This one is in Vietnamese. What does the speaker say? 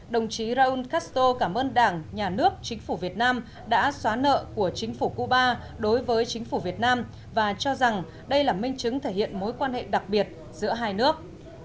đồng chí raúl castro cảm ơn đảng nhà nước chính phủ việt nam đã xóa nợ của chính phủ cuba đối với chính phủ việt nam và cho rằng đây là minh chứng thể hiện mối quan hệ đặc biệt giữa hai nước